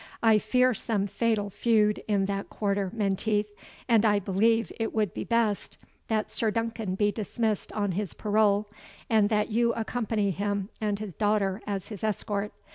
I fear some fatal feud in that quarter, Menteith and I believe it would be best that Sir Duncan be dismissed on his parole, and that you accompany him and his daughter as his escort.